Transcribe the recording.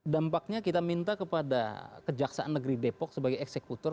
dampaknya kita minta kepada kejaksaan negeri depok sebagai eksekutor